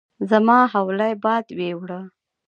زما حولی باد ويوړه